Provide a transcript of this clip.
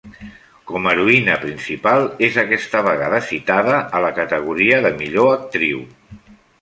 Com a heroïna principal, és aquesta vegada citada a la categoria de millor actriu.